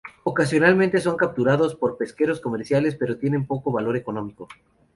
Ocasionalmente son capturados por pesqueros comerciales, pero tienen poco valor económico.